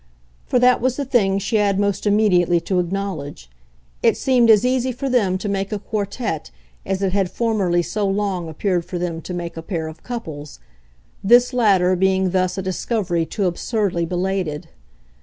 For that was the thing she had most immediately to acknowledge: it seemed as easy for them to make a quartette as it had formerly so long appeared for them to make a pair of couples this latter being thus a discovery too absurdly belated.